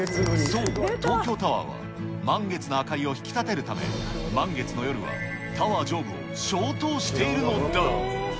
そう、東京タワーは満月の明かりを引き立てるため、満月の夜はタワー上部を消灯しているのだ。